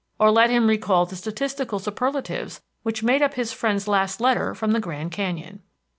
Or let him recall the statistical superlatives which made up his friend's last letter from the Grand Canyon.